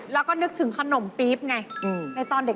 แล้วก็นึกถึงขนมปี๊บไงในตอนเด็ก